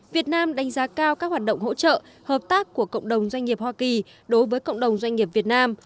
việt nam đánh giá cao các hoạt động hỗ trợ hợp tác của cộng đồng doanh nghiệp hoa kỳ đối với cộng đồng doanh nghiệp việt nam